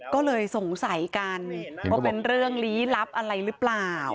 ก็เลยสงสัยกันเพราะเป็นเรื่องหลีรับอะไรรึเปล่า